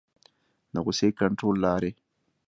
د غصې کنټرول لارې